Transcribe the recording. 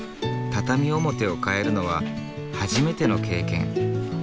畳表を替えるのは初めての経験。